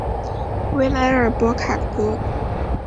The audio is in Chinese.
维莱尔博卡格。